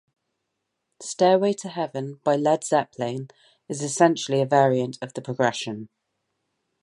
"Stairway to Heaven" by Led Zeppelin is essentially a variant of the progression.